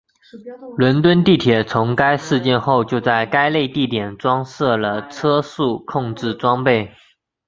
伦敦地铁从该事件后就在该类地点装设了车速控制装备。